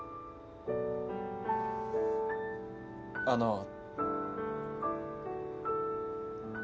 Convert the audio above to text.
あの。